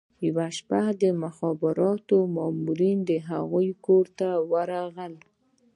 یوه شپه د استخباراتو مامورین د هغوی کور ته ورغلل